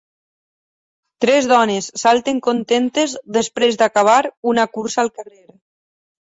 Tres dones salten contentes després d'acabar una cursa al carrer.